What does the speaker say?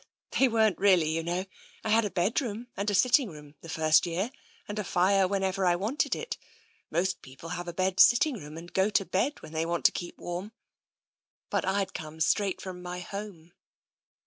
They weren't really, you know — I had a bedroom and a sitting room, that first year, and a fire when ever I wanted it — most people have a bed sitting room and go to bed when they want to keep warm — but I'd come straight from my home."